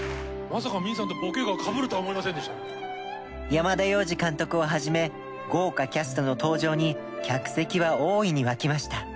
山田洋次監督を始め豪華キャストの登場に客席は大いに沸きました。